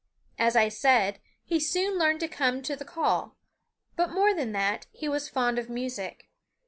As I said, he soon learned to come to the call; but more than that, he was fond of music.